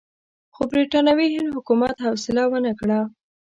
خو برټانوي هند حکومت حوصله ونه کړه.